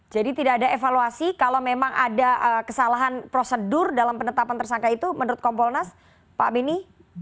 jadi tidak ada evaluasi kalau memang ada kesalahan prosedur dalam penetapan tersangka itu menurut kompolnas pak beni